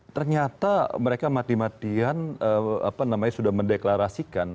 ternyata mereka mati matian sudah mendeklarasikan